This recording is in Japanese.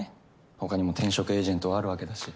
他にも転職エージェントはあるわけだし。